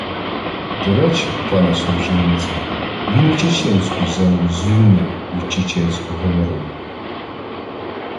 До речі, пане Солженіцин, він і чеченську землю «звільнив» від чеченського народу